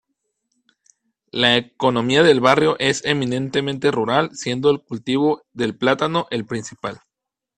La economía del barrio es eminentemente rural, siendo el cultivo del plátano el principal.